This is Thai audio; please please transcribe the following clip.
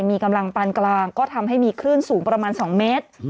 มีกำลังปานกลางก็ทำให้มีคลื่นสูงประมาณ๒เมตร